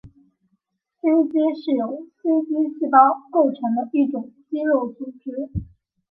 心肌是由心肌细胞构成的一种肌肉组织。